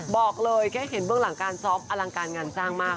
บอกเลยแค่เห็นเบื้องหลังการซอฟต์อลังการงานสร้างมาก